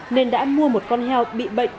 nên đã mua một con heo bị bệnh